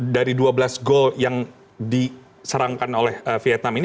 jadi dari dua belas gol yang diserangkan oleh vietnam ini